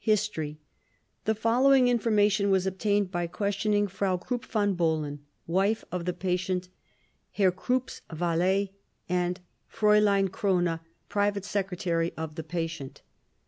History: The following information was obtained by questioning Frau Krupp von Bohlen, wife of the patient, Herr Krupp's valet, and Frl. Krone, private secretary of the patient.